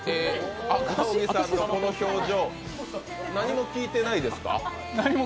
赤荻さんのこの表情、何も聞いてないですか？